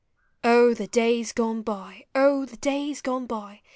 O I he days gone by! O the days gone by!